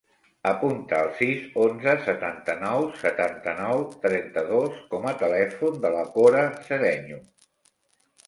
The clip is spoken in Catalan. Apunta el sis, onze, setanta-nou, setanta-nou, trenta-dos com a telèfon de la Cora Cedeño.